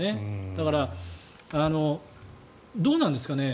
だから、どうなんですかね。